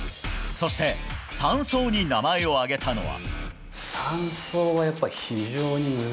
そして３走に名前を挙げたのは？